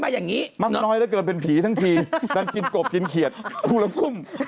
อย่างนี้มักน้อยเหลือเกินเป็นผีทั้งทีดันกินกบกินเขียดคู่ละพุ่ม